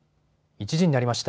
１時になりました。